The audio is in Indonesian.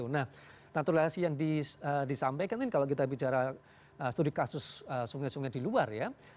nah naturalisasi yang disampaikan ini kalau kita bicara studi kasus sungai sungai di luar ya